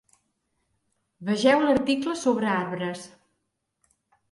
Vegeu l'article sobre arbres.